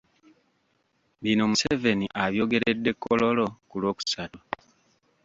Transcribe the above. Bino Museveni abyogeredde Kololo ku Lwokusatu.